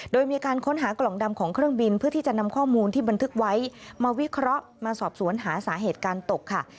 โดยมีการค้นหากล่องดำของเครื่องบินเพื่อที่จะนำข้อมูลที่บันทึกไว้มาวิเคราะห์มาสอบสวนหาสาเหตุการตกค่ะ